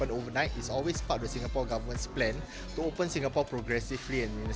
ini selalu menjadi bagian dari rencana pemerintah singapura untuk membuka singapura secara progresif dan secara langsung